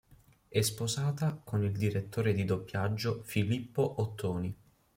È sposata con il direttore di doppiaggio Filippo Ottoni.